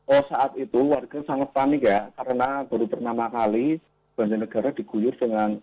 oh saat itu warga sangat panik ya karena baru pertama kali banjarnegara diguyur dengan